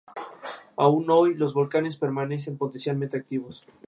Fue un triangular disputado por equipos de Perú y Ecuador.